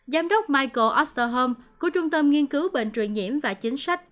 giám đốc michael osterholm của trung tâm nghiên cứu bệnh truyền nhiễm và chính sách